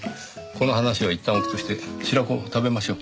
この話はいったんおくとして白子を食べましょう。